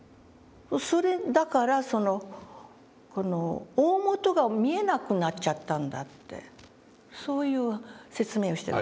それだからこの大本が見えなくなっちゃったんだってそういう説明をしてる。